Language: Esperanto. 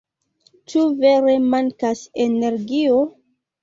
Ĉu vere mankas energio?